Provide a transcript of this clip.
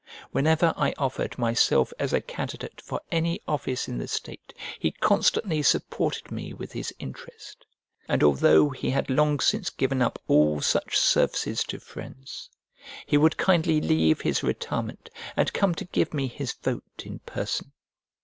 Whenever I offered myself as a candidate for any office in the state, he constantly supported me with his interest; and although he had long since given up all such services to friends, he would kindly leave his retirement and come to give me his vote in person.